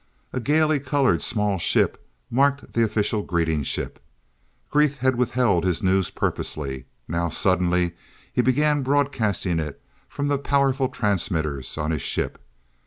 A gaily colored small ship marked the official greeting ship. Gresth had withheld his news purposely. Now suddenly he began broadcasting it from the powerful transmitter on his ship.